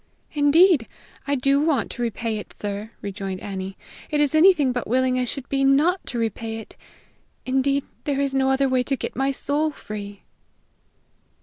"Indeed, I do want to repay it, sir," rejoined Annie. "It's anything but willing I shall be not to repay it. Indeed, there is no other way to get my soul free."